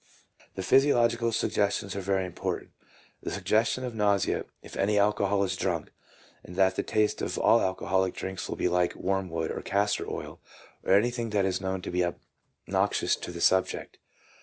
The physiological suggestions are very important : the suggestion of nausea if any alcohol is drunk, and that the taste of all alcoholic drinks will be like wormwood or castor oil, or anything that is known to be obnoxious to the subject.